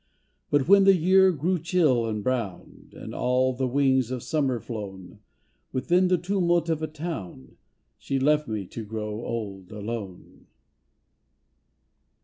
But when the year grew chill and brown, And all the wings of Summer flown, Within the tumult of a town She left me to grow old alone.